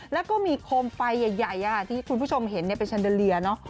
แล้วก็มีโคมไฟใหญ่ที่คุณผู้ชมเห็นเป็นแนนเดอเลียเนอะ